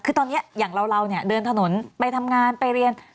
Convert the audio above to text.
คือตอนนี้อย่างเราเนี่ยเดินถนนไปทำงานไปเรียน